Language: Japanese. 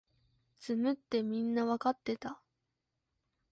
詰むってみんなわかってた